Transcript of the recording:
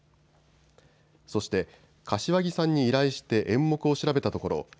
そして柏木さんに依頼して演目を調べたところ